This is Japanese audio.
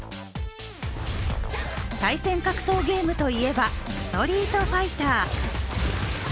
対戦格闘ゲームといえば「ストリートファイター」。